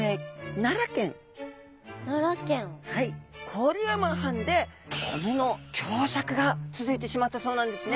郡山藩で米の凶作が続いてしまったそうなんですね。